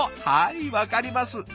はい分かります。